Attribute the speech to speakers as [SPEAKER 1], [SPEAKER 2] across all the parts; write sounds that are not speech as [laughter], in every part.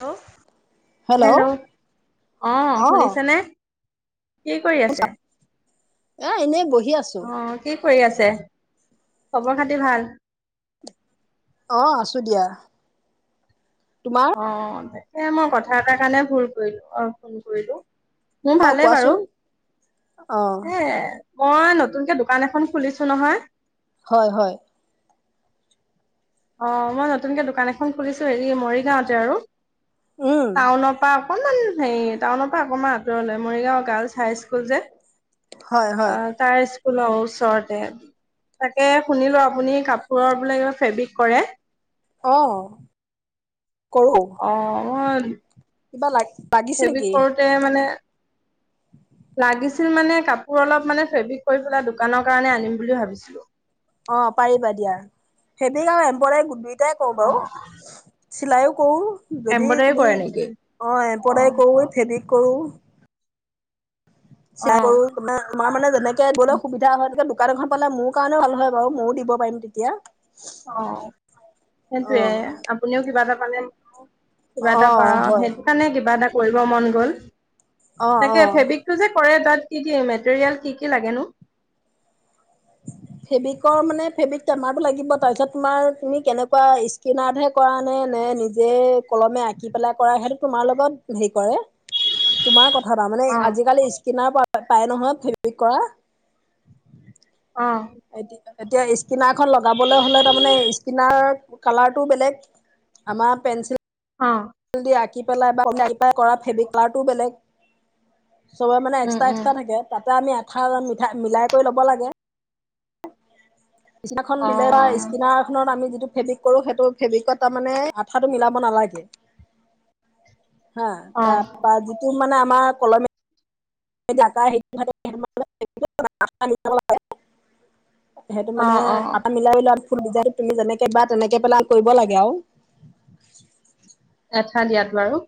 [SPEAKER 1] Hello, hello অহ
[SPEAKER 2] অ
[SPEAKER 1] শুনিছেনে? কি কৰি আছে?
[SPEAKER 2] এহ এনেই বহি বহি
[SPEAKER 1] অ
[SPEAKER 2] আছোঁ।
[SPEAKER 1] কি কৰি আছে, খবৰ খাতি ভাল?
[SPEAKER 2] অহ আছো দিয়া তোমাৰ
[SPEAKER 1] অহ দে সে মই কথা এটাৰ কাৰণে ভুল কৰিলো, অ ফোন কৰিলো মোৰ
[SPEAKER 2] অ
[SPEAKER 1] ভালেই বাৰু‌,
[SPEAKER 2] কোৱাচোন অ
[SPEAKER 1] এহ মই নতুনকে দোকান এখন খুলিছো নহয়
[SPEAKER 2] হয় হয়।
[SPEAKER 1] অ মই নতুনকে দোকান এখন খুলিছো, হেৰি মৰিগাঁওতে আৰু
[SPEAKER 2] উম
[SPEAKER 1] টাউনৰ পা অকণমান হেৰি টাউনৰ পৰা অকণমান আঁতৰলে, মৰিগাঁও গাৰ্লছ হাই স্কুল যে
[SPEAKER 2] হয় হয়
[SPEAKER 1] [unintelligible] ল ওচৰতে। তাকে শুনিলো আপুনি কাপোৰৰ বোলে কিবা ফেব্ৰিক কৰে?
[SPEAKER 2] আহ।
[SPEAKER 1] অ অ। [inaudible]
[SPEAKER 2] [unintelligible]
[SPEAKER 1] ফ্ৰেবিক
[SPEAKER 2] নেকি
[SPEAKER 1] কৰোতে মানে লাগিছিল মানে কাপোৰ অলপ মানে ফেব্ৰিক কৰি পেলাই, দোকানৰ কাৰণে আনিম বুলি ভাবিছিলো।
[SPEAKER 2] অ পাৰিবা দিয়া। ফ্ৰেবিক আৰু এম্প্ৰদাই [unintelligible] [unintelligible] কৰু
[SPEAKER 1] অ
[SPEAKER 2] বাৰু চিলাইও কৰোঁ। যদি
[SPEAKER 1] এম্ব্ৰইডাৰী
[SPEAKER 2] তুমি,
[SPEAKER 1] কৰে নেকি?
[SPEAKER 2] অ এম্প্ৰইডাৰী কৰো ফেব্ৰিক কৰোঁ।
[SPEAKER 1] অ
[SPEAKER 2] চিলাই কৰো তমা তোমাৰ মানে যেনেক 'কে গলেও সুবিধা হয় সেইটোকে দোকান এখন পালে মোৰ কাৰণেও ভাল হয় বাৰু ময়ো দিব পাৰিম তেতিয়া
[SPEAKER 1] অ
[SPEAKER 2] অ
[SPEAKER 1] সেইটোয়ে আপুনিও কিবা এটা মানে কিবা
[SPEAKER 2] অ
[SPEAKER 1] এটা পাঔ
[SPEAKER 2] হয়
[SPEAKER 1] সেইটো কাৰণে কিবা এটা কৰিব মন গ'ল।
[SPEAKER 2] অ
[SPEAKER 1] তাকে
[SPEAKER 2] অ
[SPEAKER 1] ফেব্ৰিকটো যে কৰে তাত কি কি মেটেৰিয়েল কি কি লাগেনো?
[SPEAKER 2] ফেব্ৰিকৰ মানে ফেব্ৰিক টমাৰটো লাগিব। তাৰ ফেব্ৰিক কৰোঁ মানে, ফেব্ৰিক টেমাটো লাগিব, পিছত তোমাৰ তুমি কেনেকুৱা স্কেনাৰ্তে কৰা নে, নে নিজে কলমে আঁকি পেলাই কৰা সেইটো তোমাৰ লগত হেৰি কৰে। তোমাৰ ক তাৰমানে
[SPEAKER 1] অ
[SPEAKER 2] আজিকালি স্কিনাৰ পৰা নহয় ফ্ৰেবিক কৰা
[SPEAKER 1] অ।
[SPEAKER 2] এতিয়া স্কিনাৰখনন লগাবলৈ হ'লে তাৰমানে, স্কিনাৰ কালাৰটো বেলেগ আমাৰ পেঞ্চিল
[SPEAKER 1] অ।
[SPEAKER 2] জল দি আঁকি পেলাই বা আ পেলাই কৰা ফ্ৰেবিকলাৰটোও বেলেগ চবে মানে
[SPEAKER 1] উম
[SPEAKER 2] এক্সট্ৰা
[SPEAKER 1] উম
[SPEAKER 2] এক্সট্ৰা থাকে। তাত ত আমি আঠা মিঠা মিলাই কৰি ল'ব লাগে স্কিনাৰ খন
[SPEAKER 1] অ
[SPEAKER 2] দিলে বা স্কিনাৰ খনত আমি টো ফেব্ৰিক কৰো সেইটো ফেব্ৰিকত তাৰমানে, আঠাটো মিলাব নালাগে। অ [unintelligible] মানে, আমাৰ কলমে েই [unintelligible] সেইটো
[SPEAKER 1] অ
[SPEAKER 2] মানে
[SPEAKER 1] অ
[SPEAKER 2] আঠা মিলাই লোৱা যাই তুমি যেনেকে বা তেনেকে পেলা কৰিব লাগে আৰু।
[SPEAKER 1] আঠা দিয়াটো আৰু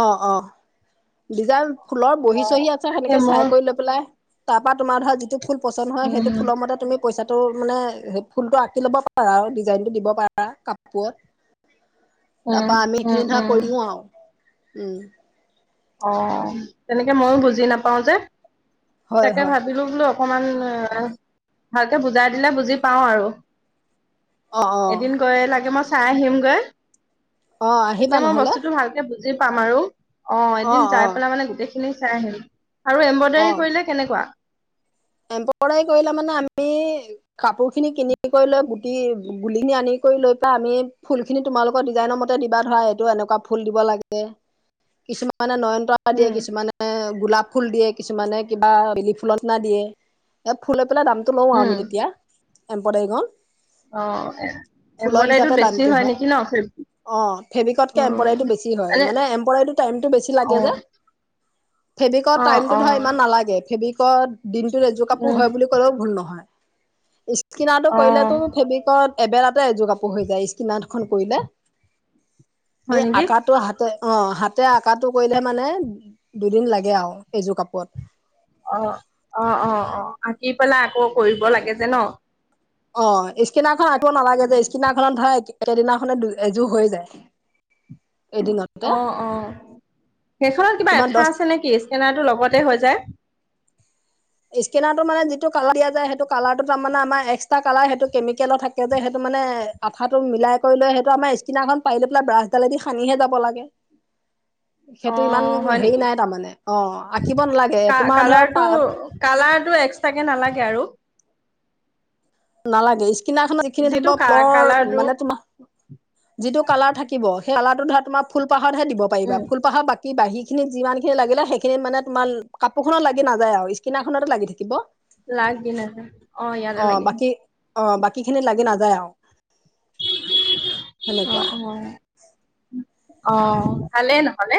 [SPEAKER 2] অ' অ' দিজাপ ফুলৰ
[SPEAKER 1] অ
[SPEAKER 2] বহি চহি আছে।
[SPEAKER 1] তাকে
[SPEAKER 2] সেনেকে
[SPEAKER 1] মই
[SPEAKER 2] চাই কৰি লৈ পেলাই তাৰ পৰা তোমাৰ ধৰা যিটো ফুল পচন্দ হয়
[SPEAKER 1] উম
[SPEAKER 2] সেইটো ফুলৰ মতে তুমি পইচা টো মানে ফুলটো আঁকি ল'ব পাৰা আৰু ডিজাইনটো দিব পাৰা কাপোৰত।
[SPEAKER 1] উম
[SPEAKER 2] তাৰ পৰা আমি
[SPEAKER 1] উম
[SPEAKER 2] এইখিনি ধৰা
[SPEAKER 1] উম
[SPEAKER 2] কৰিও আৰু উম।
[SPEAKER 1] অ' তেনেকে ময়ো বুজি নাপাও যে,
[SPEAKER 2] হয়
[SPEAKER 1] তাকে
[SPEAKER 2] হয়
[SPEAKER 1] ভাবিলো বুদু অক অকমান ভালকে বুজাই দিলে বুজি পাওঁ আৰু
[SPEAKER 2] অ অ
[SPEAKER 1] এদিন গয় লাগে মই চাই আহিমগৈ।
[SPEAKER 2] অ আহিবা
[SPEAKER 1] তেতিয়া মই
[SPEAKER 2] নহলে।
[SPEAKER 1] বস্তুটো ভালকে বুজি পাম আৰু অ' এদিন যাই পেলাই মানে গোটেই গলে চাই আহিম আৰু
[SPEAKER 2] অ
[SPEAKER 1] এম্ব্ৰইডাৰী কৰিলে কেনেকুৱা?
[SPEAKER 2] এম্ব্ৰইডাৰী কৰিলে মানে আমি, কাপোৰ খিনি কিনি কৰি লৈ গুটি গুলি খিনি আনি কৰি লৈ পেলাই আমি ফুল খিনি তোমালোকৰ ডিজাইনৰ মতে দিবা ধৰা এইটো এনেকুৱা ফুল দিব লাগে, কিছুমান মানে নয়নতৰা দিয়ে,
[SPEAKER 1] উম
[SPEAKER 2] কিছুমানে গোলাপ ফুল দিয়ে, কিছুমানে কিবা বেলি ফুলত না দিয়ে। এ ফুল বোলে দামটো লওঁ
[SPEAKER 1] উম
[SPEAKER 2] আমি তেতিয়া এম্ব্ৰইডাৰিঙৰ
[SPEAKER 1] অ, এম্ব্ৰইডাৰীটো বেছি হয় নেকি ন
[SPEAKER 2] অ ফেব্ৰিকতকে
[SPEAKER 1] উম
[SPEAKER 2] এম্ব্ৰডাৰীটো বেছি হয় মানে এম্ব্ৰডাৰীটো টাইমটো বেছি
[SPEAKER 1] অ
[SPEAKER 2] লাগে যে, ফেব্ৰিকত
[SPEAKER 1] অ
[SPEAKER 2] টাইমতটো
[SPEAKER 1] অ
[SPEAKER 2] ধৰা ইমান নালাগে। ফেব্ৰিক কত, দিনটোত এযোৰ কাপোৰ
[SPEAKER 1] উম
[SPEAKER 2] হয় বুলি ক'লেও ভুল নহয়। ই কিনাটো
[SPEAKER 1] অ
[SPEAKER 2] কৰিলে তো ফেব্ৰিকত এবেলাতে এযোৰ কাপোৰ হৈ যায় স্কিনাৰখন কৰিলে।
[SPEAKER 1] হয়
[SPEAKER 2] সেই
[SPEAKER 1] নেকি
[SPEAKER 2] আকাটো হাতে অ হাতে আকাটো কৰিলে মানে, দুদিন লাগে আৰু এইযোৰ কাপোৰত।
[SPEAKER 1] অ অ অ অ, আঁকি পেলাই আকৌ কৰিব লাগে যে ন।
[SPEAKER 2] অ স্কেনাখন আকিব নালাগে দেই। স্কেনাখনত ধ সেইদিনাখনে এযোৰ হৈ যায়। এদিনতে
[SPEAKER 1] অ অ, সেইখনত কিবা
[SPEAKER 2] তোমাৰ
[SPEAKER 1] এঠা
[SPEAKER 2] দহ
[SPEAKER 1] আছে নেকি স্কেনাৰটো লগতে হৈ যায়।
[SPEAKER 2] স্কেনাৰটো মানে যিটো কালাৰ দিয়া যায়, সেইটো কালাৰটো তাৰা মানে আমাৰ এক্সট্ৰা কালাৰ সেইটো কেমিকেলৰ থাকে যে সেইটো মানে আঠাটো মিলাই কৰি লৈ সেইটো আমাৰ স্কেনাৰখন পাৰি লৈ পেলাই ব্ৰাছডালেদি সানিহে যাব লাগে।
[SPEAKER 1] অ
[SPEAKER 2] সেইটো ইমান
[SPEAKER 1] হয়
[SPEAKER 2] হেৰি
[SPEAKER 1] নেকি
[SPEAKER 2] নাই তাৰমানে, অ আঁকিব নালাগে
[SPEAKER 1] কা
[SPEAKER 2] তোমাৰ ধৰ
[SPEAKER 1] কালাৰটো
[SPEAKER 2] প
[SPEAKER 1] কালাৰটো এক্সট্ৰাকে নালাগে আৰু।
[SPEAKER 2] নালাগে কিনাখনত যিখিনি থাকিব
[SPEAKER 1] যিটো কা
[SPEAKER 2] প্লৰ
[SPEAKER 1] কালাৰটো
[SPEAKER 2] মানে তোমাৰ, যিটো কালাৰ থাকিব, সেই কালাৰ ধৰা তোমাৰ ফুল পাহতহে দিব পাৰিব,
[SPEAKER 1] উম
[SPEAKER 2] ফুলপাহৰ বাকী কি বাহী খিনিত যিমান খিনি লাগিলে সেইখিনিত মানে তোমাৰ কাপোৰখনত লাগি নাযায় আৰু স্কিনাৰখনতে লাগি থাকিব।
[SPEAKER 1] লাগি ন অ ইয়াতে লাগিছে।
[SPEAKER 2] কি, অ বাকী খিনি লাগি নাযায় আৰু
[SPEAKER 1] অ
[SPEAKER 2] সেনেকুৱা।
[SPEAKER 1] অ অ ভালেই নহলে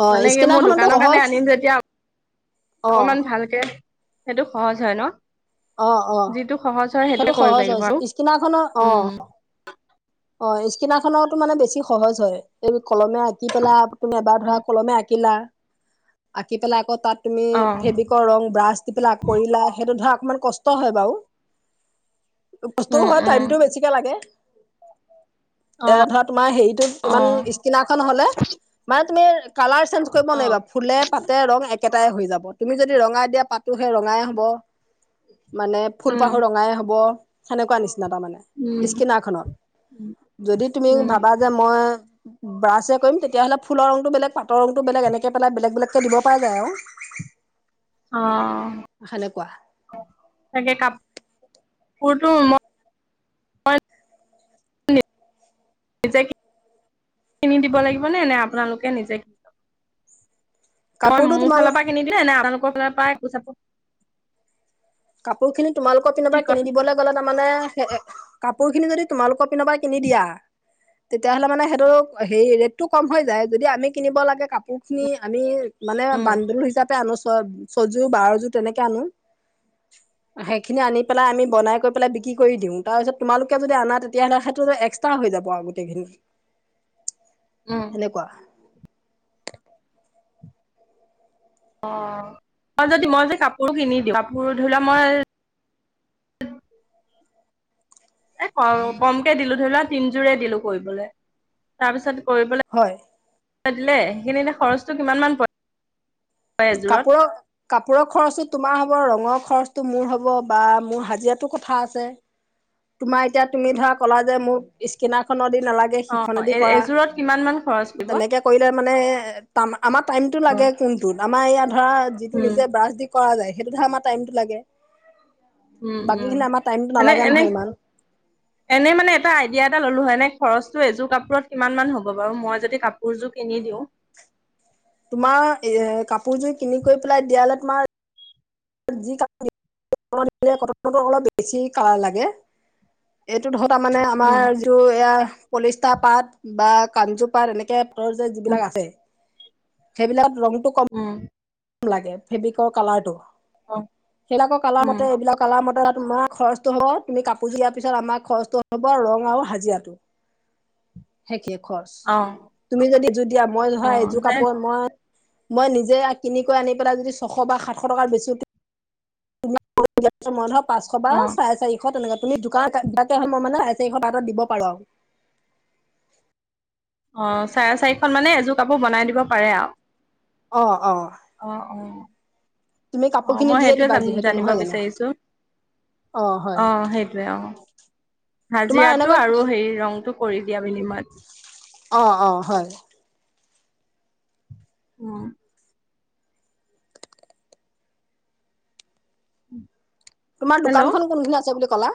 [SPEAKER 2] অ
[SPEAKER 1] মানে কি মোৰ
[SPEAKER 2] স্কিনাৰখনতো
[SPEAKER 1] দোকানৰ কাৰণে
[SPEAKER 2] সহজ
[SPEAKER 1] আনিম যেতিয়া
[SPEAKER 2] অ
[SPEAKER 1] অকমান ভালকে সেইটো সহজ হয় ন।
[SPEAKER 2] অ অ
[SPEAKER 1] যিটো সহজ হয় সেইটোৱে
[SPEAKER 2] সেইটো
[SPEAKER 1] কৰিব
[SPEAKER 2] সহজ হৈ
[SPEAKER 1] লাগিব আৰু
[SPEAKER 2] স্কিনাৰখনৰ, অ
[SPEAKER 1] উম
[SPEAKER 2] অ স্কিনাখনৰতো মানে বেছি সহজ হয় এই কলমে আঁকি পেলা, তুমি এবাৰ ধৰা কলমে আঁকিলা আঁকি পেলাই আকৌ তাত তুমি
[SPEAKER 1] অ
[SPEAKER 2] ফেব্ৰিকৰ ৰং, ব্ৰাছ দি পেলাই কৰিলা সেইটো ধৰা অকমান কষ্ট হয় বাৰু বস্তু
[SPEAKER 1] উম
[SPEAKER 2] হয়,
[SPEAKER 1] উম
[SPEAKER 2] টাইমটো বেছিকে লাগে।
[SPEAKER 1] অ
[SPEAKER 2] এয়া ধৰা তোমাৰ হেৰিটোত
[SPEAKER 1] অ
[SPEAKER 2] ইমান স্কিনাখন হলে মা তুমি কালাৰ চেঞ্জ কৰিব
[SPEAKER 1] অ
[SPEAKER 2] নোৱাৰিবা, ফুলে পাতে ৰং এক একেটাই হৈ যাব তুমি যদি ৰঙাই দিয়া পাতো সে ৰঙাই হ'ব। মানে
[SPEAKER 1] উম
[SPEAKER 2] ফুলপাহো ৰঙাই হ'ব। সেনেকুৱা নিচি তাৰ মানে
[SPEAKER 1] উম
[SPEAKER 2] স্কিনাৰখনত, যদি তুমি
[SPEAKER 1] উম
[SPEAKER 2] ভাবা যে মই ব্ৰাছে কৰিম তেতিয়াহলে ফুলৰ ৰংটো বেলেগ, পাতৰ ৰংটো বেলেগ এনেকে পেলাই বেলেগ বেলেগকে দিব পৰা যায় আৰু।
[SPEAKER 1] অহ।
[SPEAKER 2] সেনেকুৱা
[SPEAKER 1] তাকে কাপ, কাপোৰটো মই নিজে, কিনি দিব লাগিবনে নে আপোনালোকে নিজে তই
[SPEAKER 2] কাপোৰটো
[SPEAKER 1] মোৰ
[SPEAKER 2] তোমাল
[SPEAKER 1] ফালৰ পৰা কিনি দিলে নে আমালোকৰ ফালৰ পৰাই।
[SPEAKER 2] কাপোৰ খিনি তোমালোকৰ পিনে
[SPEAKER 1] কি
[SPEAKER 2] পৰাই কিনি
[SPEAKER 1] কয়
[SPEAKER 2] দিবলৈ গ'লে তাৰমানে এ কাপোৰ। কাপোৰখিনি যদি তোমালোকৰ পিনৰ পৰা কিনি দিয়া, তেতিয়াহলে মানে সেইটো হেৰি ৰেটটো কম হৈ যায় যদি আমি কিনিব লাগে কাপোৰখিনি আমি। মানে
[SPEAKER 1] উম
[SPEAKER 2] বান্দো হিচাপে আনো। ছয় ছয়যোৰ, বাৰযোৰ তেনেকে আনো। সেইখিনি আনি পেলাই আমি বনাই কৰি পেলাই বিক্ৰী কৰি দিও, তাৰপিছত তোমালোকে যদি আনা তেতিয়াহলে সেইটো এক্সট্ৰা হৈ যাব আৰু গোটেইখিনি।
[SPEAKER 1] উম
[SPEAKER 2] সেনেকুৱা।
[SPEAKER 1] অহ, মই যদি, মই যে কাপোৰ কিনি দিওঁ, কাপোৰ ধৰি লোৱা মই। এ ক কমকে দিলো ধৰি লোৱা তিন যোৰে দিলো কৰিবলৈ, তাৰপিছত।
[SPEAKER 2] হয়।
[SPEAKER 1] দিলে সেইখিনি এনে খৰচটো কিমান মান পৰে? এযোৰত
[SPEAKER 2] কাপোৰৰ কাপোৰৰ খৰচো তোমাৰ হ'ব ৰঙৰ। খৰচটো মোৰ হ'ব বা মোৰ হাজিৰাটোৰ কথা আছে তোমাৰ এতিয়া তুমি ধৰা ক'লা যে মোক স্কেনাৰ খনৰ দি। নালাগে
[SPEAKER 1] অ
[SPEAKER 2] সিখনেদি কৰা
[SPEAKER 1] এযোৰত কিমান মান খৰচ পৰিব
[SPEAKER 2] তেনেকে কৰিলে। মানে তামা। আমাৰ টাইমটো
[SPEAKER 1] উম
[SPEAKER 2] লাগে কোন। আমাৰ ইয়াত। ধৰা যিটো
[SPEAKER 1] উম
[SPEAKER 2] নিজে ব্ৰাছ দি কৰা যায়। সেইটো ধৰা আমাৰ টাইমটো লাগে।
[SPEAKER 1] উম উম
[SPEAKER 2] বাকীখিনি আমাৰ টাইমটো
[SPEAKER 1] এনে
[SPEAKER 2] নালাগে
[SPEAKER 1] এনে
[SPEAKER 2] নহয় ইমান
[SPEAKER 1] এনে মানে এটা আইডিয়া এটা ললো হয়নে। খৰচটো এযোৰ কাপোৰত কিমান মান হ'ব বাৰু মই যদি কাপোৰযোৰ কিনি দিওঁ।
[SPEAKER 2] তোমাৰ এ কাপোৰযোৰ কিনি কৰি পেলাই দিয়ালে তোমাৰ। যি কা কটনৰটো অলপ বেছি কালাৰ লাগে এইটোৰ ধ। তাৰ মানে
[SPEAKER 1] উম
[SPEAKER 2] আমাৰ যিটো এইয়া। পলিষ্টাৰ পাত বা কাঞজু পাত এনেকে। পাতৰ যে
[SPEAKER 1] উম
[SPEAKER 2] যিবিলাক আছে। সেইবিলাক। ৰংটো কম
[SPEAKER 1] উম
[SPEAKER 2] লাগে ফেব্ৰিকৰ কালাৰটো
[SPEAKER 1] অ
[SPEAKER 2] সেইবিলাকৰ কালাৰ
[SPEAKER 1] উম
[SPEAKER 2] মতে এইবিলাক কালাৰ মতে তোমাৰ খৰচটো হ'ব তুমি কাপোৰযোৰ দিয়াৰ পিছত আমাৰ খৰচটো হ'ব ৰং আৰু হাজিৰাটো সেইখিনিত খৰচ
[SPEAKER 1] অ
[SPEAKER 2] তুমি যদি এযোৰ দিয়া মই
[SPEAKER 1] অ
[SPEAKER 2] ধৰা এযোৰ
[SPEAKER 1] দে
[SPEAKER 2] কাপোৰত মই মই নিজে কিনিকৈ আনি পেলাই যদি ছশ বা সাতশ টকাৰ বেছু [unintelligible] পাঁচশ বা
[SPEAKER 1] অ
[SPEAKER 2] চাৰে চাৰিশ তেনেকা তুমি দোকান দু মই মানে আ চাৰিশ বাতত দিব পাৰোঁ আৰু
[SPEAKER 1] অ চাৰে চাৰিখত মানে এযোৰ কাপোৰ বনাই দিব পাৰে আৰু
[SPEAKER 2] অ অ
[SPEAKER 1] অ অ
[SPEAKER 2] তুমি কাপোৰ
[SPEAKER 1] অ
[SPEAKER 2] খিনি
[SPEAKER 1] মই
[SPEAKER 2] দিয়ে
[SPEAKER 1] সেইটোৱে
[SPEAKER 2] দিবা
[SPEAKER 1] জান
[SPEAKER 2] যিহেতু
[SPEAKER 1] জানিব
[SPEAKER 2] নহয় জানো
[SPEAKER 1] বিচাৰিছো অ সেইটোৱে অ
[SPEAKER 2] তোমাৰ
[SPEAKER 1] হাজিৰাটো
[SPEAKER 2] এনেকুৱা
[SPEAKER 1] আৰু হেৰি ৰংটো কৰি দিয়া বিনিময়ত
[SPEAKER 2] অ অ হয়
[SPEAKER 1] উম। উম [inaudible]
[SPEAKER 2] তোমাৰ দোকানখনো কোন খিনি আছে বুলি কলা?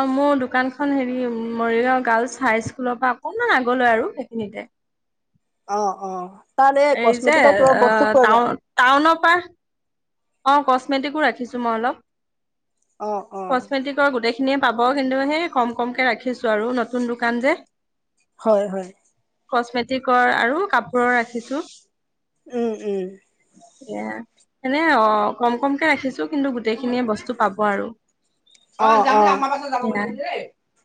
[SPEAKER 1] অ মোৰ দোকানখন হেৰি মৰিগাঁও গাৰ্লছ হাই স্কুলৰ পৰা অকনমান আগলৈ আৰু সেইখিনিতে।
[SPEAKER 2] অ অ। তাত
[SPEAKER 1] এই যে
[SPEAKER 2] কচমেটিকৰ কিবা বস্তু পোৱা যায়
[SPEAKER 1] টাউন, টাউনৰ পৰা অ কচমেটিকো ৰাখিছো মই অলপ।
[SPEAKER 2] অ অ
[SPEAKER 1] কচমেটিকৰ গোটেই খিনিয়ে পাব কিন্তু সেই কম কমকে ৰাখিছো আৰু নতুন দোকান যে।
[SPEAKER 2] হয় হয়।
[SPEAKER 1] কচমেটিকৰ আৰু কাপোৰৰ ৰাখিছো।
[SPEAKER 2] উম উম।
[SPEAKER 1] নে অ কম কমকে ৰাখি খিছো, কিন্তু গোটেইখিনিয়ে বস্তু পাব আৰু
[SPEAKER 2] অ
[SPEAKER 1] সেয়াই,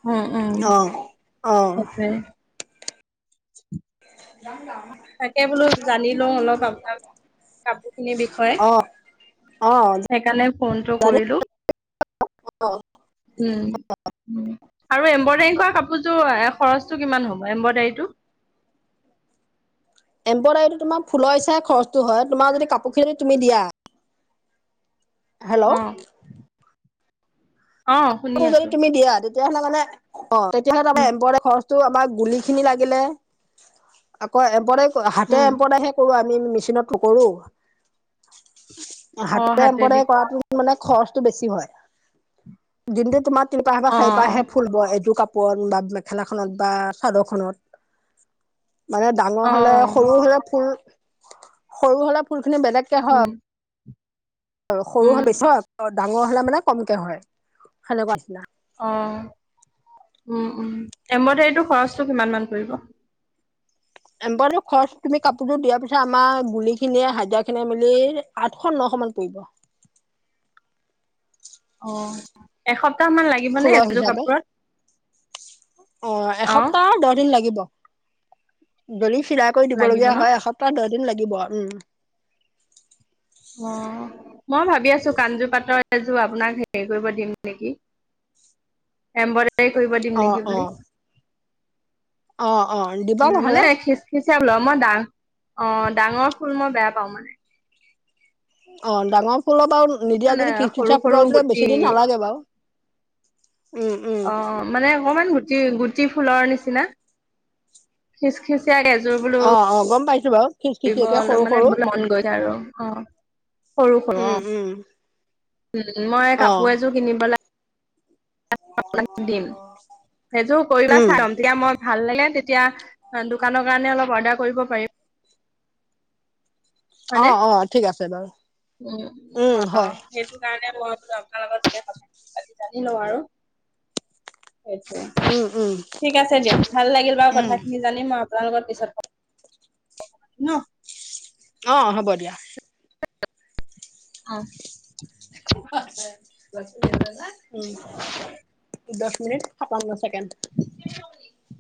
[SPEAKER 1] উম উম,
[SPEAKER 2] অ অ
[SPEAKER 1] সেইটোৱে। উ [inaudible]
[SPEAKER 2] ৰামল [inaudible]
[SPEAKER 1] তাকে বোলো জানিলো অলপ আপোনাৰ, কাপোৰ খিনিৰ বিষয়ে,
[SPEAKER 2] অ অ
[SPEAKER 1] সেইকাৰণে ফোনটো
[SPEAKER 2] জানি
[SPEAKER 1] কৰিলো, উম আৰু এম্ব্ৰইডাৰী কাপোৰযোৰ খৰচটো কিমান হ'ব এম্ব্ৰইডাৰীটো?
[SPEAKER 2] এম্ব্ৰইডাৰীটো তোমাৰ ফুলৰ হিচাপে খৰচটো হয়, তোমাৰ যদি কাপোৰ খিনি যদি তুমি দিয়া হেল্ল'।
[SPEAKER 1] অ অ শুনি
[SPEAKER 2] কাপোৰ যদি
[SPEAKER 1] আছো।
[SPEAKER 2] তুমি দিয়া তেতিয়াহলে মানে অ তেতিয়াহলে আম
[SPEAKER 1] উম
[SPEAKER 2] [inaudible] এম্বৰ খৰ টো আমাৰ গুলি খিনি লাগিলে, আকৌ এম্ব্ৰইডাৰি হাতে
[SPEAKER 1] উম
[SPEAKER 2] এম্পদাইহে কৰো আমি আমি মেচিনত নকৰো
[SPEAKER 1] অ
[SPEAKER 2] হাতেৰে
[SPEAKER 1] হাতেদি
[SPEAKER 2] এম্ব্ৰইডাৰী
[SPEAKER 1] কৰা
[SPEAKER 2] কৰাতো মানে খৰচ বেছি হয়। দিনটো তোমাত তিনিপাহ বা
[SPEAKER 1] অ অ
[SPEAKER 2] চাৰিপাহে ফুল বোৱে সেইটো কাপ ওপৰত বা মেখেলাখনত বা চাদৰখনত মানে ডাঙৰ হলে, সৰু
[SPEAKER 1] অ',
[SPEAKER 2] হলে ফুল সৰু হলে ফুল খনে বেলেগকে হয়
[SPEAKER 1] উম,
[SPEAKER 2] সৰু
[SPEAKER 1] উম,
[SPEAKER 2] হাল বেছি, হয় হয়। ডাঙৰ হলে মানে কমকে হয়, খালে পৰা নিচিনা।
[SPEAKER 1] অ, উম উম, এম্ব্ৰইডাৰীটো খৰচটো কিমান মান পৰিব?
[SPEAKER 2] এমব্ৰইডাৰিটো খৰচ তুমি কাপোৰটো দিয়াৰ পিছত আমাৰ বুনিখিনিয়ে, হাজিৰা খিনিয়ে মিলি আঠশ নশ মান পৰিব।
[SPEAKER 1] অ এসপ
[SPEAKER 2] ফুলৰ হিচাপে, অ
[SPEAKER 1] অ',
[SPEAKER 2] এসপ্তাহ দহ দিন লাগিব। দলিত চিলাই কৰি
[SPEAKER 1] লাগিব
[SPEAKER 2] দিবলগীয়া
[SPEAKER 1] ন?
[SPEAKER 2] হয়, এসপ্তাহ দ দিন লাগিব, উম।
[SPEAKER 1] অ, মই ভাবি আছো কাঞ্জো পাটৰ এযোৰ আপোনাক হেৰি কৰিব দিম নেকি এম হেৰি, কৰিব দিম
[SPEAKER 2] অ
[SPEAKER 1] নেকি
[SPEAKER 2] অ
[SPEAKER 1] বুলি।
[SPEAKER 2] অ অ দিবা নহলে।
[SPEAKER 1] ল মই ডা, অ ডাঙৰ ফুল মই বেয়া পাও মানে।
[SPEAKER 2] অ ডাঙৰ ফুলৰ আৰু নিদিয়া
[SPEAKER 1] মানে
[SPEAKER 2] যদি
[SPEAKER 1] সৰু
[SPEAKER 2] কিকিঠা
[SPEAKER 1] সৰু
[SPEAKER 2] ফুটাব
[SPEAKER 1] গুটি
[SPEAKER 2] বেছি দিন নালাগে বাৰু। উম উম
[SPEAKER 1] অ মানে অকমান গুটি গুটি ফুলৰ নিচিনা, খিচ খিচ গেযোৰ বোলো
[SPEAKER 2] ছো বাৰু। খিচ
[SPEAKER 1] কৰিব
[SPEAKER 2] খিচিয়াকে সৰু
[SPEAKER 1] মানে
[SPEAKER 2] সৰু
[SPEAKER 1] মন গৈছে আৰু অ। সৰু সৰু অ,
[SPEAKER 2] উম উম
[SPEAKER 1] উম মই
[SPEAKER 2] অ
[SPEAKER 1] কাপোৰ এযোৰ কিনিব লাগে সেইযোৰ কৰিবা
[SPEAKER 2] উম
[SPEAKER 1] চাম, তেতিয়া মই ভাল লাগিলে তেতিয়া, দোকানৰ কাৰণে অলপ অৰ্ডাৰ কৰিব পাৰিম।
[SPEAKER 2] অ
[SPEAKER 1] হয়নে,
[SPEAKER 2] অ ঠিক আছে বাৰু
[SPEAKER 1] উম
[SPEAKER 2] উম
[SPEAKER 1] অ
[SPEAKER 2] হয়
[SPEAKER 1] সেইটো কাৰণে মই বোলো আপোনাৰ লগত যাতে কথাখিনি পাতি জানি লওঁ আৰু
[SPEAKER 2] উম উম
[SPEAKER 1] ঠিক আছে দিয়ক, ভাল লাগিল বাৰু
[SPEAKER 2] উম
[SPEAKER 1] কথাখিনি জানি মই আপোনাৰ লগত পিছত, ন
[SPEAKER 2] অ হ'ব দিয়া।
[SPEAKER 1] অ।
[SPEAKER 2] [unintelligible]
[SPEAKER 1] [inaudible]
[SPEAKER 2] দচ মিনিট, সাতাৱন্ন ছেকেণ্ড।
[SPEAKER 1] [inaudible]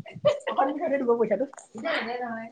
[SPEAKER 2] থাকে দিব পইচাটো, দিলে নহয়।